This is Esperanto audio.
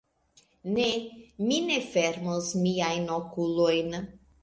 Ne... mi ne fermos miajn okulojn...